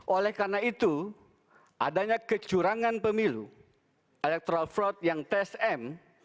oleh karena itu adanya kecurangan pemilu electoral fraud yang tsm